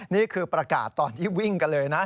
นี่คือประกาศตอนที่วิ่งกันเลยนะ